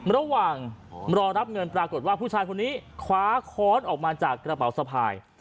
ระหว่างรอรับเงินปรากฏว่าผู้ชายคนนี้คว้าค้อนออกมาจากกระเป๋าสะพาย